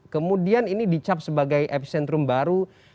kemudian ini dicap sebagai epicentrum baru